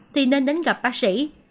thì nên đến gặp bác sĩ